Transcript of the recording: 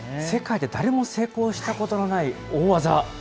世界で誰も成功したことのない大技。